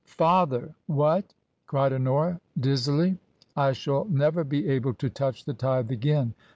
" Father ! WhatT cried Honora, dizzily. " I shall never be able to touch the Tithe again.